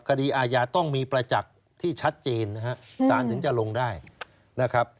คดีอาญาต้องมีประจักษ์ที่ชัดเจนนะฮะสารถึงจะลงได้นะครับ